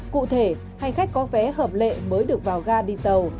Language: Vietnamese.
cụ thể hành khách có vé hợp lệ mới được vào ga đi tàu